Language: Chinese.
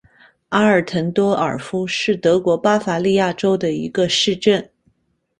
阿尔滕多尔夫是德国巴伐利亚州的一个市镇。